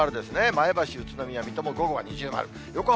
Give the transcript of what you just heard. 前橋、宇都宮、水戸も午後は二重丸。